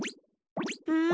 うん？